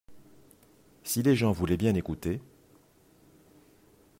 Si les gens voulaient bien écouter.